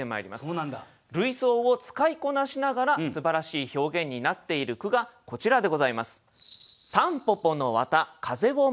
類想を使いこなしながらすばらしい表現になっている句がこちらでございます。